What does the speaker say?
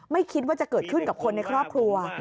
ไม่คิดว่าจะเกิดขึ้นกับคนในครอบครัว